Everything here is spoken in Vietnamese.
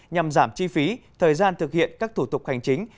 nhằm giảm chi phí thời gian thực hiện các thủ tục hành chính